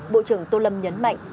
bộ trưởng tô lâm nhấn mạnh